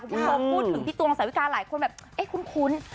พอพูดถึงพี่ตวงสาวิกาหลายคนแบบเอ๊ะคุ้น